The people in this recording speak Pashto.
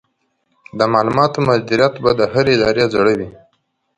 د معلوماتو مدیریت به د هرې ادارې زړه وي.